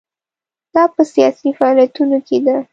دا په سیاسي فعالیتونو کې ده.